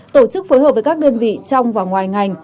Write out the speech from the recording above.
tổ chức phối hợp với các đơn vị trong và ngoài ngành